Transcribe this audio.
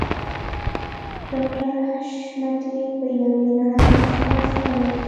ډاکټر حشمتي په يوې نرۍ مسکا سره وويل